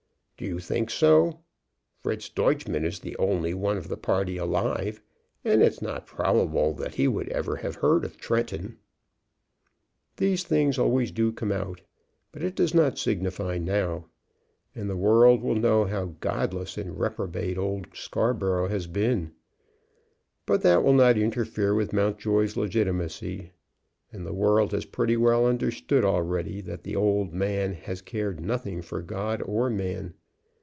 "Do you think so? Fritz Deutchmann is the only one of the party alive, and it's not probable that he would ever have heard of Tretton." "These things always do come out. But it does not signify now. And the world will know how godless and reprobate old Scarborough has been; but that will not interfere with Mountjoy's legitimacy. And the world has pretty well understood already that the old man has cared nothing for God or man.